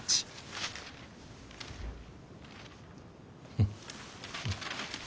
うん。